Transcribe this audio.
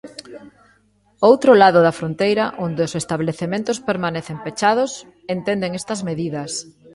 Ao outro lado da fronteira, onde os establecementos permanecen pechados, entenden estas medidas.